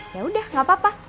ya udah gak apa apa